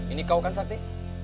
ini kau kan sarti